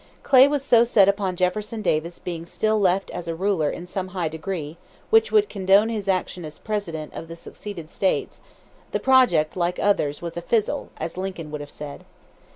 Clay was so set upon Jefferson Davis being still left as a ruler in some high degree which would condone his action as President of the seceded States, the project, like others, was a "fizzle," as Lincoln would have said.